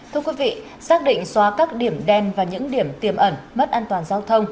thưa quý vị xác định xóa các điểm đen và những điểm tiềm ẩn mất an toàn giao thông